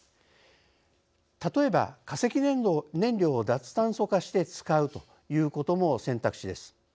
例えば化石燃料を脱炭素化して使うということも選択肢です。